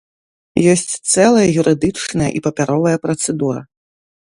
Ёсць цэлая юрыдычная і папяровая працэдура.